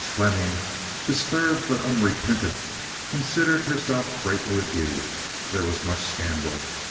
Fleming, disturbed but unrepentant, considered herself greatly abused. There was much scandal.